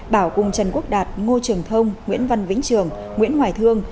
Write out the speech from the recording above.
bảo cùng trần quốc đạt ngô trường thông nguyễn văn vĩnh trường nguyễn hoài thương